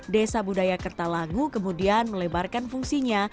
desa budaya kertalangu kemudian melebarkan fungsinya